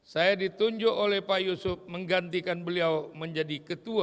saya ditunjuk oleh pak yusuf menggantikan beliau menjadi ketua